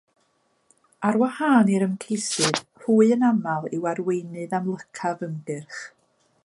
Ar wahân i'r ymgeisydd, hwy yn aml yw arweinydd amlycaf ymgyrch.